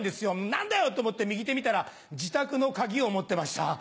何だよ！と思って右手見たら自宅の鍵を持ってました。